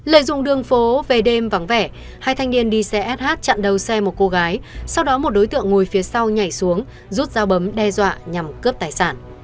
lợi dụng đường phố về đêm vắng vẻ hai thanh niên đi xe sh chặn đầu xe một cô gái sau đó một đối tượng ngồi phía sau nhảy xuống rút dao bấm đe dọa nhằm cướp tài sản